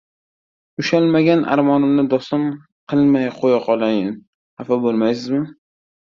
Ushalmagan armonimni doston qilmay qo‘ya qolayin, xafa bo‘lmaysizmi?